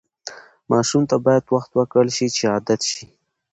ماشوم ته باید وخت ورکړل شي چې عادت شي.